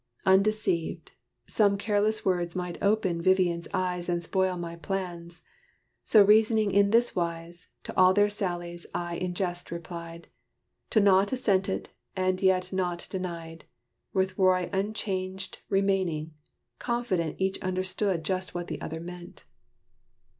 Undeceived, Some careless words might open Vivian's eyes And spoil my plans. So reasoning in this wise, To all their sallies I in jest replied, To naught assented, and yet naught denied, With Roy unchanged remaining, confident Each understood just what the other meant.